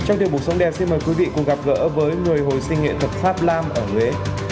trong điều mục sống đẹp xin mời quý vị cùng gặp gỡ với người hồi sinh nghệ thuật pháp nam ở huế